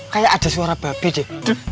kayak ada suara babi deh